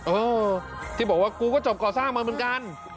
เออที่บอกว่ากูก็จบก่อสร้างมาเหมือนกัน